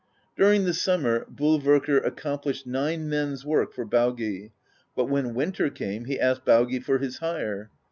During the summer Bolverkr accomplished nine men's work for Baugi, but when winter came he asked Baugi for his hire.